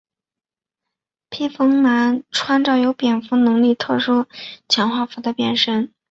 披风男穿着有蝙蝠能力特殊强化服的变身。